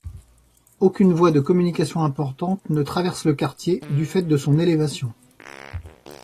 Aucune voie de communication importante ne traverse le quartier, du fait de son élévation.